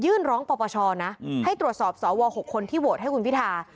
ร้องปปชนะให้ตรวจสอบสว๖คนที่โหวตให้คุณพิธา